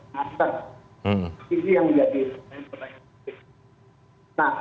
nah itu yang menjadi pertanyaan